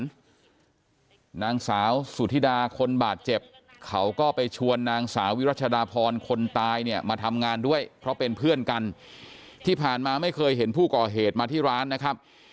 นางสาวสุธิดาคนบาดเจ็บเขาก็ไปชวนนางสาววิรัชดาพรคนตายเนี่ยมาทำงานด้วยเพราะเป็นเพื่อนกันที่ผ่านมาไม่เคยเห็นผู้ก่อเหตุมาที่ร้านนะครับ